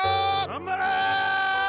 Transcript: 頑張れー！